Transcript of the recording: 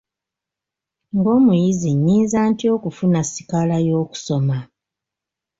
Ng'omuyizi nnyinza ntya okufuna sikaala y'okusoma?